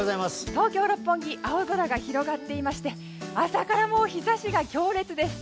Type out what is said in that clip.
東京・六本木青空が広がっていまして朝から日差しが強烈です。